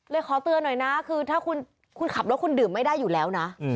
ขอเตือนหน่อยนะคือถ้าคุณขับรถคุณดื่มไม่ได้อยู่แล้วนะ